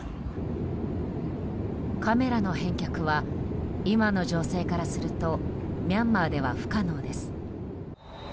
カメラの返却は今の情勢からするとミャンマーでは不可能です。